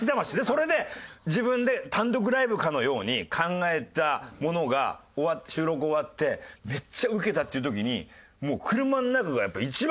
それで自分で単独ライブかのように考えたものが終わって収録終わってめっちゃウケたっていう時に車の中がやっぱ一番こう。